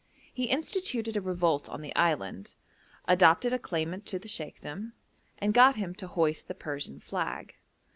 He instituted a revolt on the island; adopted a claimant to the sheikhdom, and got him to hoist the Persian flag.